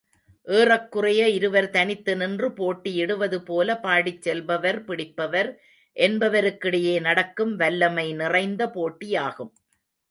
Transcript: ஏறக்குறைய இருவர் தனித்து நின்று போட்டியிடுவது போல, பாடிச் செல்பவர், பிடிப்பவர் என்பவருக்கிடையே நடக்கும் வல்லமை நிறைந்த போட்டியாகும்.